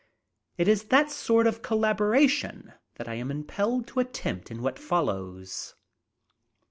It is that sort of collaboration that I am unpolled to attempt in what follows.